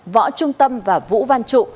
võ trung tâm và vũ văn trụ